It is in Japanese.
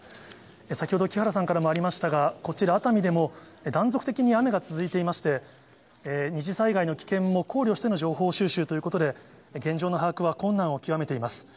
先ほど、木原さんからもありましたが、こちら、熱海でも断続的に雨が続いていまして、二次災害の危険も考慮しての情報収集ということで、現状の把握は困難を極めています。